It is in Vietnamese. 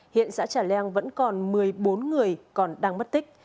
hiện xã trà leng vẫn còn một mươi bốn người còn đang mất tích